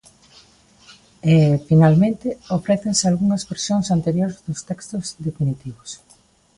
E, finalmente, ofrécense algunhas versións anteriores dos textos definitivos.